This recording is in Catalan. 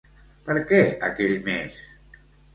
Per què aquell mes?